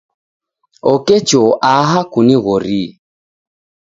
Oke choo aha kunighorie.